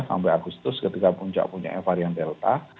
sampai agustus ketika puncak puncaknya varian delta